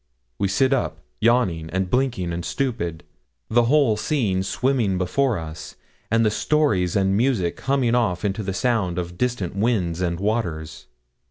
We sit up, yawning, and blinking, and stupid, the whole scene swimming before us, and the stories and music humming off into the sound of distant winds and waters.